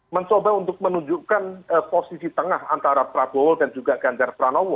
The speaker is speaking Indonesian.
mencoba untuk menunjukkan posisi tengah antara prabowo dan juga ganjar pranowo